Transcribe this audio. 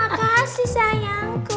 oh makasih sayangku